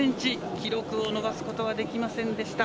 記録を伸ばすことはできませんでした。